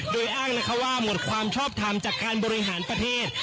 โดยอ้างนะคะว่าหมดความชอบทำจากการบริหารประเทศ